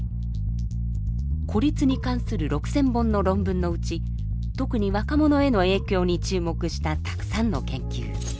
孤立に関する６，０００本の論文のうち特に若者への影響に注目したたくさんの研究。